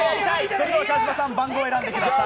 それでは川島さん、番号選んでください。